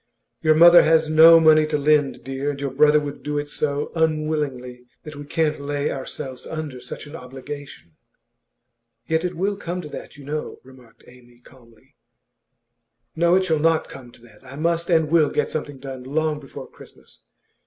'Your mother has no money to lend, dear, and your brother would do it so unwillingly that we can't lay ourselves under such an obligation.' 'Yet it will come to that, you know,' remarked Amy, calmly. 'No, it shall not come to that. I must and will get something done long before Christmas.